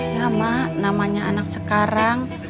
ya mak namanya anak sekarang